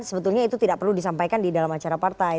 sebetulnya itu tidak perlu disampaikan di dalam acara partai